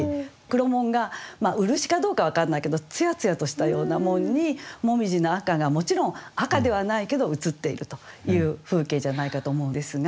黒門が漆かどうか分からないけどつやつやとしたような門に紅葉の赤がもちろん赤ではないけど映っているという風景じゃないかと思うんですが。